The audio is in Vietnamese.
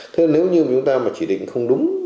thế nếu như chúng ta chỉ định không đúng